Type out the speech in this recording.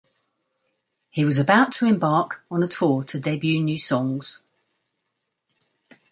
He was about to embark on a tour to debut new songs.